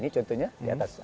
contohnya di atas